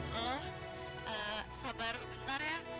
lo sabar bentar ya